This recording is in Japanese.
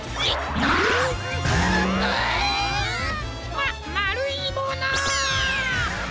ままるいもの。